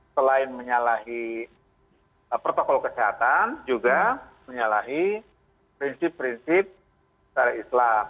selain menyalahi protokol kesehatan juga menyalahi prinsip prinsip secara islam